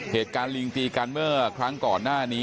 เหตุการณ์ลิงตีกันเมื่อครั้งก่อนหน้านี้